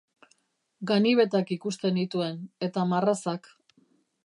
Ganibetak ikusten nituen, eta marrazak.